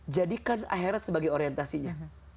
jadikan akhirat sebagai orientasinya